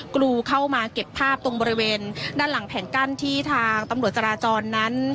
กรูเข้ามาเก็บภาพตรงบริเวณด้านหลังแผงกั้นที่ทางตำรวจจราจรนั้น